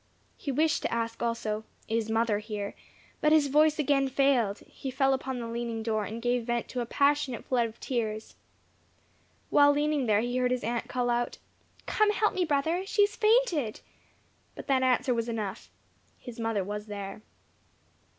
He wished to ask also, "Is mother here?" but his voice again failed; he fell upon the leaning door, and gave vent to a passionate flood of tears. While leaning there he heard his aunt call out, "Come, help me, brother. She has fainted." But that answer was enough; his mother was there.